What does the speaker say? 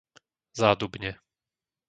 Zádubnie